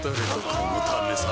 このためさ